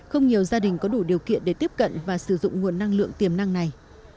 không nhiều gia đình có đủ điều kiện để tiếp cận và sử dụng nguồn năng lượng tiềm năng này